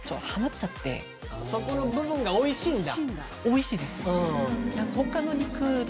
そこの部分がおいしいんだ。